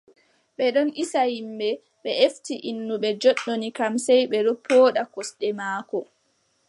Ɓe ɗon isa yimɓe, ɓe efti innu ɓe joɗɗoni kam, sey ɓe ɗo pooɗa gosɗe maako.